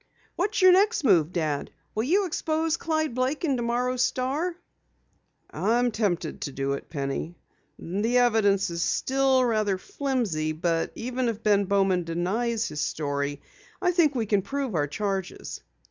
"What's your next move, Dad? Will you expose Clyde Blake in tomorrow's Star?" "I'm tempted to do it, Penny. The evidence still is rather flimsy, but even if Ben Bowman denies his story, I think we can prove our charges."